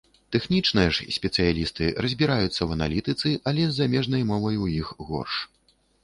Тэхнічныя ж спецыялісты разбіраюцца ў аналітыцы, але з замежнай мовай у іх горш.